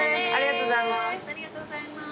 ありがとうございます。